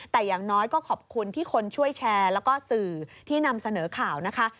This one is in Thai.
แต่อย่างน้อยก็ขอบคุณที่คนช่วยแชร์แล้วก็สื่อที่นำเสนอข่าวนะคะ